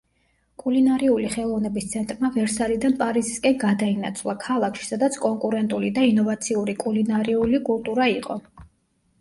კულინარიული ხელოვნების ცენტრმა ვერსალიდან პარიზისკენ გადაინაცვლა, ქალაქში, სადაც კონკურენტული და ინოვაციური კულინარიული კულტურა იყო.